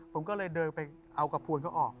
ผมก็เลยเดินไปเอากระพวนเขาออก